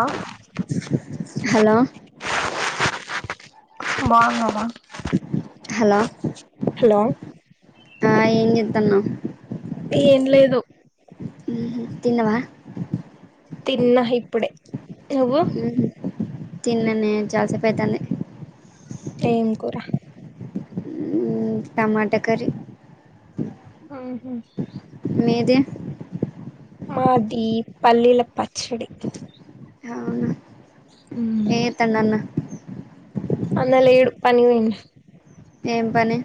ఆ హలో బావున్నావా hello hello ఆ ఏం చేస్తాన్నావు ఏం లేదు తినవా తిన్నా ఇప్పుడే నువ్వు ఉహుమ్ తిన్నానే చాలాసేపు అయితంది ఏం కూరా ఉమ్, టమాటా కర్రి ఆహ మీది మాది పల్లీల పచ్చడి అవునా ఏ త్తండు అన్న అన్న లేడు పనికి పోయిండు ఏం పని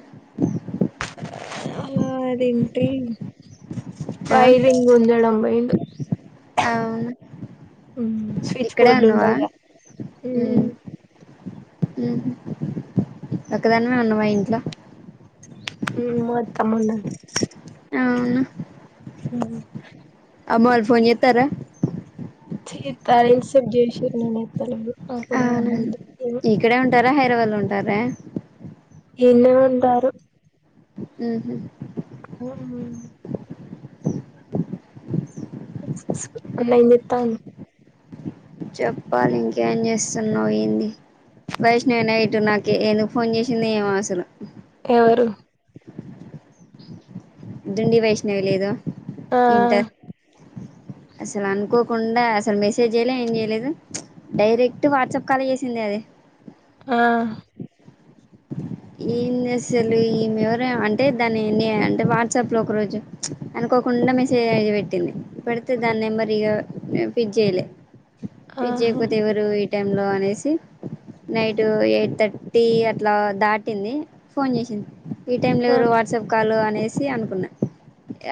ఆ అదేంటి ఆ ఫైరింగ్ [unintelligible] అవును ఎంద్ స్విచ్ ఇక్కడే బోర్డ్లు ఉన్నవా ఉంటాయిగా హమ్ ఒకదనిమే ఉన్నావా ఇంట్ల ఉ మా [unintelligible] అవునా హ అమ్మ వాళ్ళు ఫోన్ చెత్తారా చెత్తారు ఇన్సేపు జెసిన్రు నేను ఎత్తలేదు అప్పుడు అవును అన్నం తింటిని ఇక్కడే ఉంటారా హై దరాబాద్ లో ఉంటారా ఇడ్నె ఉంటారు ఉహు ఉమ్ పిల్ల ఎం జెత్తంది చెప్పాలి ఇంకేం చేస్తున్నావు ఏంది వైష్ణవి నైటు నాకు ఎందుకు ఫోన్ చేసింది ఏమో అసలు ఎవరు దుండి వైష్ణవి లేద ఆ ఇంటర్ అసలు అనుకోకుండా అసలు మెసేజ్ చేయలే ఏం చేయలేదు డైరెక్ట్ వాట్సాప్ కాల్ చేసింది అది ఆ ఏంది అసలు ఈమె ఎవర అంటే దాన్ని అంటే వాట్సాప్ లో ఒక రోజు అనుకోకుండా మెసేజ్ అయి పెట్టింది పడితే దాని నెంబర్ ఇక ఫిడ్ చేయలే ఫిడ్ ఆహా జేయకపోతే ఎవరు ఎన్ టైం లో అనేసి నైట్ ఎయిట్ థర్టీ అట్లా దాట్ టింది ఫోన్ చేసింది ఈ టైమ్ లో ఆ ఎవరు వాట్సాప్ కాల్ అనేసి అనుకున్నా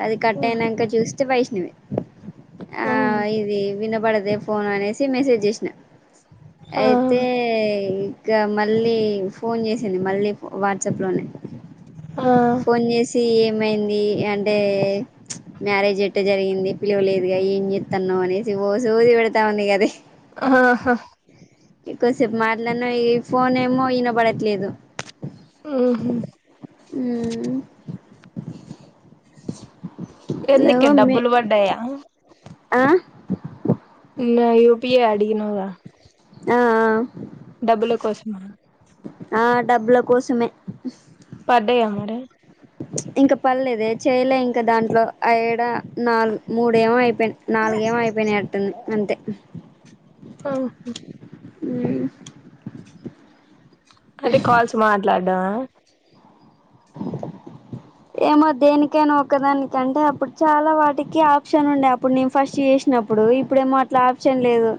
అది కట్ అయినాక చూస్ తే వైష్ణవి ఆ ఇది విన పడద ఫోన్ అనేసి మెసేజ్ చేసిన ఆ అయితే ఇకా మళ్ళీ ఫోన్ చేసింది మళ్ళీ వాట్సాప్లోనే ఆ ఫోన్ చేసి ఏం ఇమైంది అంటే మ్యారేజ్ ఎట్ట జరిగింది పిలువలేదుగా ఏం చెస్తాన్నా అనేసి ఓసి ఊది పెడతా ఉంది కద ఆహా ఎక్కుసేపు మాట్లాడిన ఈ ఫోన్ ఏమో ఈన పడట్లేదు ఆహ అ ఎందుక డబ్బులు బడ్డయా హ్ ఇ [unintelligible] ప్ప అడిగినద ఆ ఆ డబ్బుల కోసమా ఆ డబ్బుల కోసమే పడయా మడ ఇంకా పల్దే చేలే ఇంకా దాంట్లో ఏడా నాలుగు మూడు ఏమో అయిపోయింది నాలుగేమ అయిపోయినాడు ప అంతే ఆా అ అంటే కాల్స్ మాట్లాడ్డా ఏమో దేనికైనా ఒకదానికంటే అప్పుడు చాలా వాటికి ఆప్షన్ ఉండే అప్పుడు నేను ఫస్ట్ చేసినప్పుడు ఇప్పుడేమో అట్లా ఆప్షన్ లేదు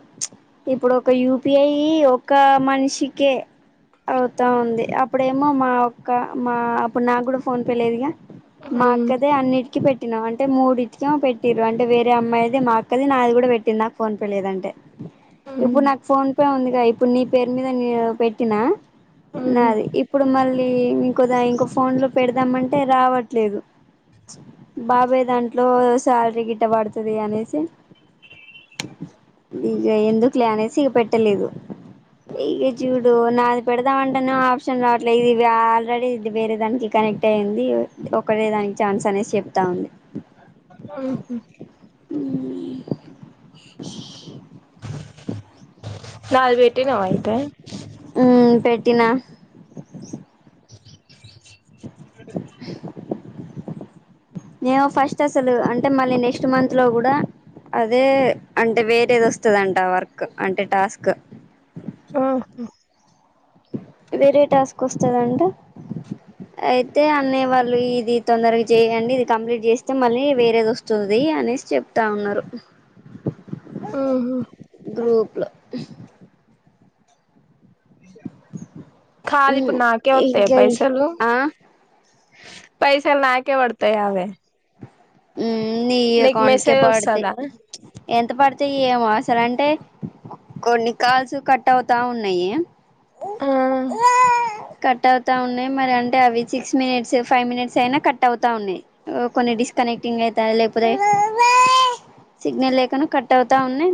ఇప్పుడు ఒక యూపిఐ ఒక మనిషికే అవుతా ఉంది అప్పుడేమో మా ఒక్క మా అప్పుడు నా కూడా ఫోన్ పే లేదుగా మా ఉమ్ అక్కదే అన్నిటికిీ పెట్టినా అంటే మూడిటికే పెట్టి్ర అంటే వేరే అమ్మాయి అదే మా అక్కది నాది కూడా పెట్టింది నాకు ఫోన్ పే లేదంటే ఉమ్ ఇప్పుడు నాకు ఫోన్ పే ఉందిగా ఇప్పుడు నీ పేరు మీద న పెట్టినా ఉమ్ నాది ఇప్పు ఇప్పుడు మళ్ళీ ఇంకద ఇంకో ఫోన్ లో పెడదామంట అంటే రావట్లేదు బాబాయ దాంట్లో శాలరీ గిట్ట పడుతుంది అనేసి ఇక ఎందుకులే అనేసి ఇక పెట్టలేదు ఇక చూడు నాది పెడదామంటేనే ఆప్షన్ రావట్లేదు ఇది ఆల్రెడీ ఇది వేరే దానికి కనెక్ట్ అయ్యంది ఒకటే దానికి ఛాన్స్ అనేది చెప్తా ఉంది ఆఓహ అ న వేట ేనాయితే పటినా నేను ఫస్ట్ అసలు అంటే మళ్ళీ నెక్స్ట్ మంత్ లో కూడా అదే అంటే వేరేది వస్తుందింట వర్క్ అంటే టాస్క్ ఆా వేరే టాస్క్ వస్తుందింటే అయితే అనే వాళ్ళు ఇది తొందరగా చేయడి ఇది కంప్లీట్ చేస్తే మళ్ళీ వేరేది వస్తుంది అనేసి చెప్తా ఉన్నారు ఉహు గ్రూప్ లో కాాదు ఇప్పుడు ఉమ్ నాకే వతేా ఇంకా ఈ పైసలు ఆ పైసలు నాకే పడతాయవే. ఉమ్ నీ అకౌంట్కే పడతాయి వస్తదా ప్చ్ ఎంత పడుత. అయితే ఏమో అసలు అంటే కొన్ని కాల్స్ కట్ అవుతా ఉన్నాయి. ఆహ్. కట్ అవుతా ఉన్నాయి మరి అంటే అవి సిక్స్ మినిట్స్, ఫైవ్ మినిట్స్ అయినా కట్ అవుతా ఉన్నాయి. కొన్ని డిస్ కనెక్టింగ్ అయితాయి లేకపోతే సిగ్నల్ లేకుండా కట్ అవుతా ఉన్నాయి.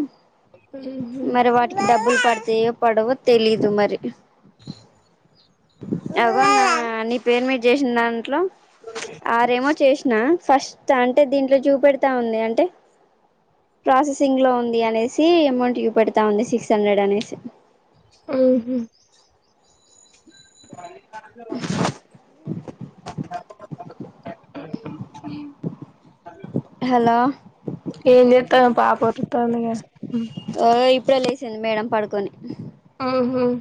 ఉహు మరి వాటికి డబ్బులు పట్ట్. ఇగ పడవోతెలీదు మరి అగ నీ పేరు మీద చేసిన దాంట్లో. ఆరేమో చేస్. నా ఫస్ట్. అంటే దీంట్లో చూపెడతా ఉంది. అంటే ప్రాసెసింగ్ లో ఉంది అనేసి అమౌంట్ చూపెడతా ఉంది. సిక్స్ హండ్రెడ్ అనేసి. ఉమ్ ‌ఉహూ [inaudible] [unintelligible] హలో. త పాపోటి. తొందరగా ఉమ్. సింది మేడం పడుకొని. ఉమ్మ్.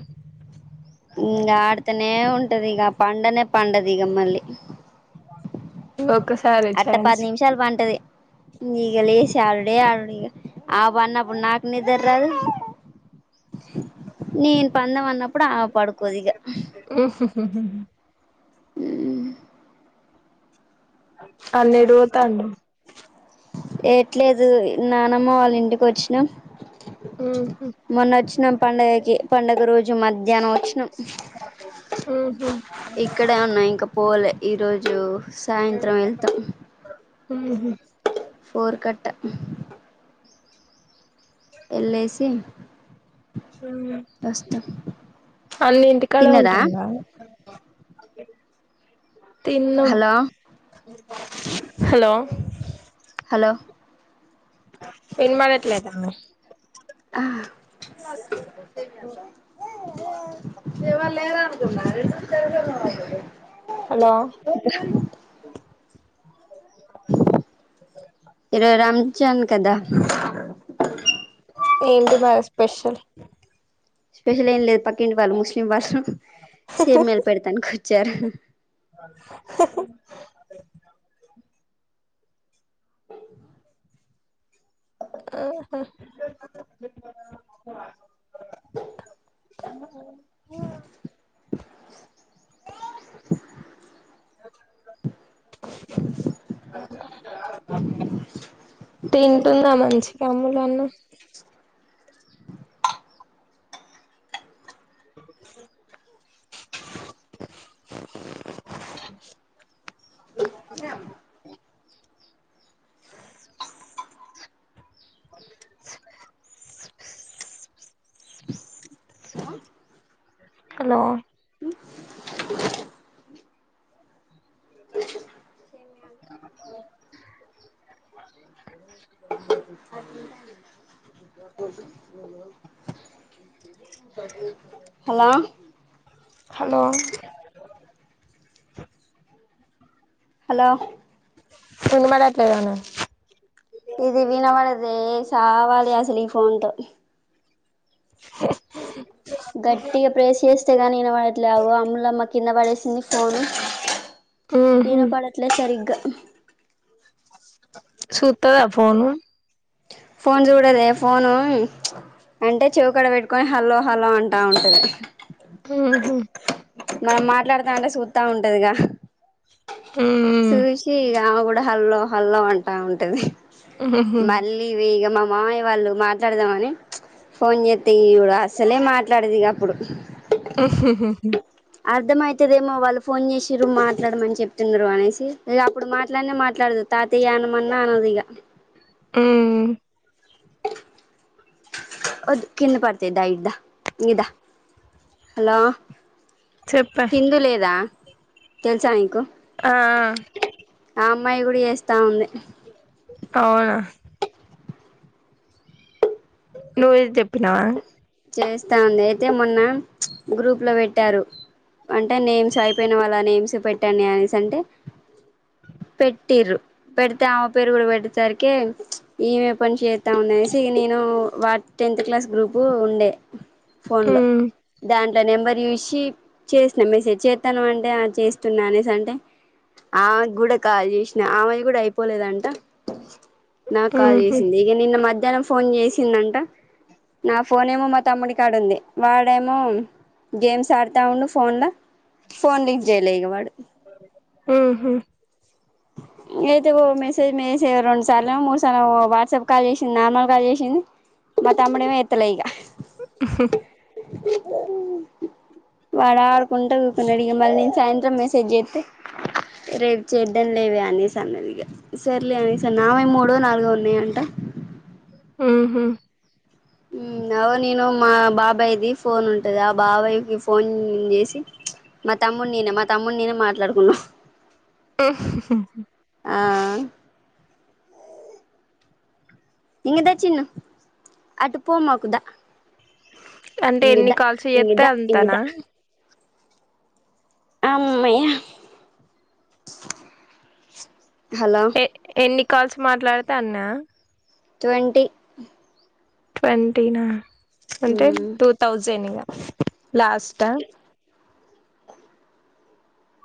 ఉమ్ ఆడతనే. నే ఉంటది ఇగ పండనే. పండదీగ మళ్లి. ఓకే. అట్ట పది నిమిషాలు పంటది. నీ ఇక లేసి ఆడుడే ఆడుడు ఇక ఆమె పఅన్నప్పుడు నాకు నిద్ర రాదు నేను పందమ అన్నప్పుడు. అప్పుడు ఆహ్ పాడుకొదిగా. ఉహామ్ ఉహ్మ్. అన్నేడు పోతానాడు. ఎట్లేదు నానమ్మ వాళ్ళ ఇంటికి వచ్చినం. ఉహు మొన్న వచ్చినం పండుగకి పండుగ రోజు. మధ్యాహ్నం వచ్చినం. ఉహు ఇక్కడే ఉన్నాయి. ఇంకా పోలే ఈరోజు సాయంత్రం వెళ్తాం. ఉహూ. ఫోర్కాట్ట. ఎల్లేసి. అన్న ఇంటికాడే తిన్నరా ఉంటాడా అ తిన్న హలో హలో హలో వినబట్లేదామే హ ఎవల్లేరా అ మ్యారేజ్ [unintelligible] హలో ఈ రోజు రంజన్ కదా ఏంటి మరి స్పెషల్ స్పెషల్ ఏం లేదు పక్కింటి వాళ్ళు ముస్లిం వాళ్ళు సేమ్యలు పెడతానీ కోచ్ చారు ఆహ తింటుందామా నుంచి కనుములు అన్నావ్ యం హలో [unintelligible] హలో హలో హలో వినబడట్లేదానే ఇది వినవడదే చవాలి అసలు ఈ ఫోన్తో గట్టిగా ప్రేస్ చేస్తే గనీ వినవాడట్లే అవ్వో అమ్ములమ్మకి కింద పడేసింది ఫోను ఉహు ఇనపడట్లే సరిగ్గా ఉ సుత్తద ఫోను ఫోన్ చూడదె ఫోను అంటే చెవు కడ పెట్టుకని హలో హలో అంటా ఉంటది ఉహు మనం మాట్లాడుతా అంటే చుత్త ఉంటదిగా ఉమ్ సుషి ఇగ ఆమ కూడా హల్ల్లో హల్లో అంటా ఉంటది ఉహుహు మళ్ళీ విగమామ్ మామయ్య వాళ్ళు మాట్లాడదామని ఫోన్ చేస్తా ఈడు అసలే మాట్లాడేది ఇగ అప్పుడు [unintelligible] అర్ధం అయితదేమో వాళ్ళు ఫోన్ చేసిన్రు మాట్లాడమని చెప్తున్నారు అనేసి ఇగ అప్పుడు మాట్లాడినే మాట్లాడదు తాతయ్యా అనమన్న అనదు ఇక హ్మ్ వద్దు కింద పడుతాయ్ దా ఇటు దా హలో చెప్పా కిందు లేదా తెల్సా అయకు ఆ అమ్మాయి గుడి వేస్తా ఉంది అవునా నువ్్వవుేది చెప్పినావా చేస్తా ఉంది అయితే మొన్న గ్రూప్లో పెట్టారు అంటే నేమ్స్ అయిపోయిన వాళ్ళ నేమ్స్ పెట్టండి అనేసి అంటే పెట్టిర్రు పెడితే ఆమె పేరు కూడా పెట్టేసరికిే ఈమే పని చేస్తా ఉంది అనేసి నేను వా టెన్త్ క్లాస్ గ్రూపు పండ ఫోన్ లో ఉమ్ దాం అంట నెంబర్ చూసి చేసిన మెసేజ్ చేస్తాను అంటే చేస్తున్నా అనేసి అంటే ఆమెకి కూడా కాల్ చేసిన ఆమాయి కూడా అయిపోలేదంట నాకు కాల్ ఉహు చేసింది ఈక నిన్న మధ్య జనం ఫోన్ చేసిందంట నా ఫోన్ ఏమో మా తమ్ముడికి ఆడుంది వాడేమో గేమ్స్ ఆడుతా ఉండు ఫోన్లో ఫోన్ లిక్ చేయలే వాడు ఆహా అయితే మెసేజ్ేసే రెండు సార్లు ఏమో మూడు సార్లు వాట్సాప్ కాల్ చేసింది నార్మల్ కాల్ చేసింది మా తమ్ముడేమో ఎత్తలే ఇక ఆ వాడా ఆడుకుంటా కూకున్నాడు ఇక మళ్ళీేను సాయంత్రం మెసేజ్ చేస్తే రేపు చే లేవ అనే స అన్నలుగా సర్లే అ సార్ నామ మూడు నాలుగుో అంట ఆహా అవు నేను మా బాబాయ్ది ఫోన్ ఉంటది ఆ బాబాయ్ి ఫోన్ చేసి మ తమ్ముడి ననే మా తమ్ముడి ననే మాట్లాడుకున్నాం ఆ [unintelligible] ఇంగదా చిన్న అటు పోమాకుదా అంటే ఎన్ని కాల్స్ చేస్తా దా ఇంగ అంతానా ఆమ్మ్మయ ఎ ఎన్ని కలిసి మాట్లాడతే అన్న ట్వంటంటి ట్వంటీనా అంటే మ్మ్ టూ థౌజండ్గా లాస్ట్ ఆ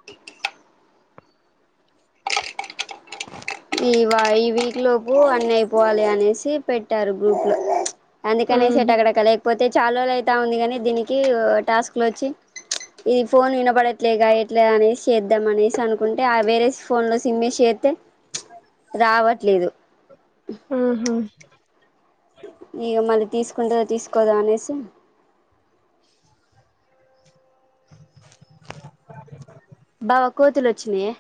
కే వో ఈ ఈ వీక్ లోపు అన్ని అయిపోవాలి అనేసి పెట్టారు గ్రూప్ లో అందుకనే సట్ ఉహు అక్కడక్క లేకపోతే చాలరోజులు అయితా ఉంది కాని దీనికి టాస్క్ లు వచ్చి ఈ ఫోన్ వినబడట్లేగా ఎట్లాఅనేసి చేద్దాం అనేసి అనుకుంటే ఆ వేరే ఫోన్ లో సిమ్ఏసి చేస్తే రావట్లేదు ఉహు ఇగ మళ్ళీ తీసుకుంటందా తీసుకోదా అనేసి బావా కోతులు వచ్చినియే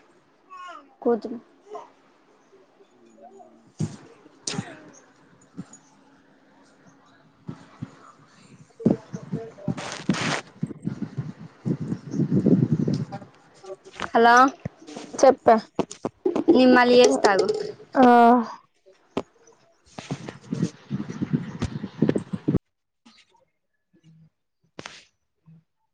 కోతులు [unintelligible] [unintelligible] హలో చెప్ప నేను మళ్ళీ చేస్తా ఆగు ఆ